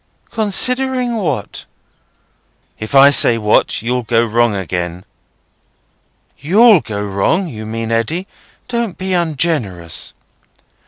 "Considering what?" "If I say what, you'll go wrong again." "You'll go wrong, you mean, Eddy. Don't be ungenerous."